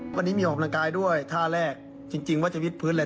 วันนี้มีออกกำลังกายด้วยท่าแรกจริงว่าจะวิดพื้นเลย